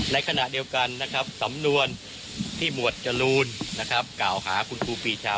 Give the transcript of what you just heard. ในขณะเดียวกันนะครับสำนวนที่หมวดจรูนกล่าวหาคุณครูปีชา